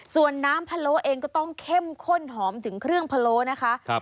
ส่วนน้ำพะโล้เองก็ต้องเข้มข้นหอมถึงเครื่องพะโล้นะคะ